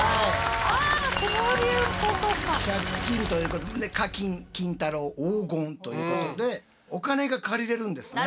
「借金」ということで「課金」「金太郎」「黄金」ということでお金が借りれるんですね。